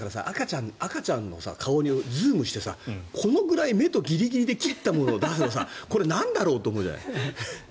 赤ちゃんの顔にズームしてこのぐらい目とギリギリで切ったものを載せるとこれ、なんだろう？と思うじゃない。